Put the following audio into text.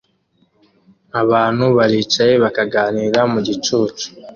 Abantu baricaye bakaganira mu gicucu